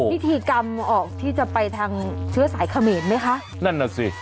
พิธีกรรมออกที่จะไปทางเชื้อสายเขมรไหมคะนั่นน่ะสิ